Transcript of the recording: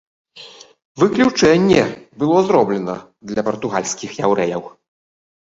Выключэнне было зроблена для партугальскіх яўрэяў.